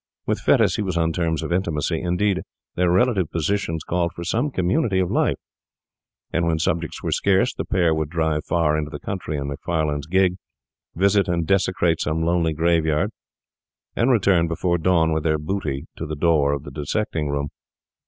With Fettes he was on terms of intimacy; indeed, their relative positions called for some community of life; and when subjects were scarce the pair would drive far into the country in Macfarlane's gig, visit and desecrate some lonely graveyard, and return before dawn with their booty to the door of the dissecting room.